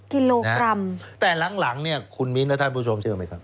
กิโลกรัมแต่หลังหลังเนี่ยคุณมิ้นและท่านผู้ชมเชื่อไหมครับ